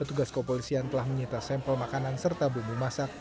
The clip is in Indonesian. petugas kepolisian telah menyita sampel makanan serta bumbu masak